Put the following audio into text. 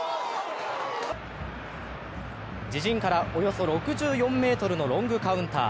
自陣からおよそ６４ｍのロングカウンター。